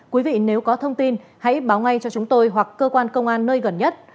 quý vị nếu có thông tin hãy báo ngay cho chúng tôi hoặc cơ quan công an nơi gần nhất